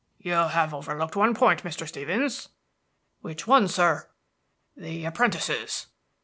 "You have overlooked one point, Mr. Stevens." "Which one, sir?" "The apprentices."